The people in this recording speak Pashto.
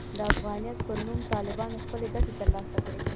د افغانیت پر نوم طالبانو خپلې ګټې ترلاسه کړې دي.